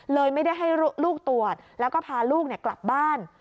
ไม่ได้ให้ลูกตรวจแล้วก็พาลูกกลับบ้าน